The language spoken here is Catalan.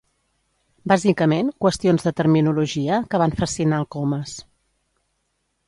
Bàsicament, qüestions de terminologia que van fascinar el Comas.